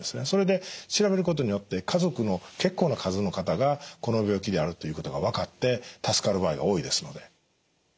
それで調べることによって家族の結構な数の方がこの病気であるということが分かって助かる場合が多いですので。